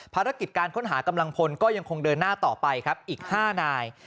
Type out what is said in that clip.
ภารกิจการค้นหากำลังพลก็ยังคงเดินหน้าต่อไปครับอีก๕นาย